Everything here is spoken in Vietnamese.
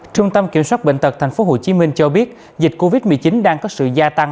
trung tâm kiểm soát bệnh tật tp hcm cho biết dịch covid một mươi chín đang có sự gia tăng